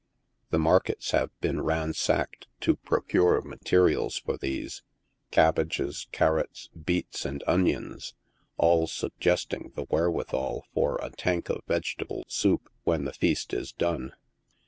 The markets have been ransacked to procure materials for these — cabbages, car rots, beets and onions — all suggesting the wherewithal for a tank of vegetable soup when the feast is done.